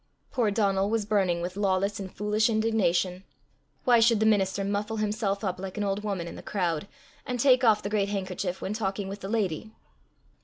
Poor Donal was burning with lawless and foolish indignation: why should the minister muffle himself up like an old woman in the crowd, and take off the great handkerchief when talking with the lady?